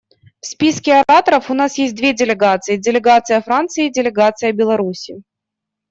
В списке ораторов у нас есть две делегации: делегация Франции и делегация Беларуси.